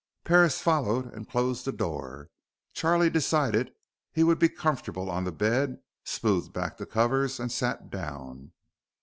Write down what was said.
Parris followed and closed the door. Charlie decided he would be comfortable on the bed, smoothed back the covers, and sat down.